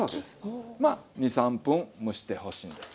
まあ２３分蒸してほしいんです。